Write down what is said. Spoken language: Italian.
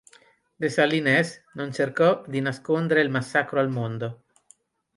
Dessalines non cercò di nascondere il massacro al mondo.